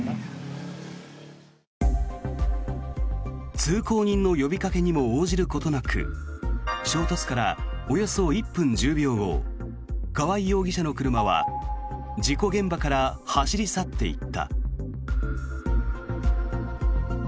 通行人の呼びかけにも応じることなく衝突からおよそ１分１０秒後川合容疑者の車は事故現場から走り去っていった。